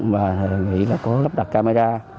và có lắp đặt camera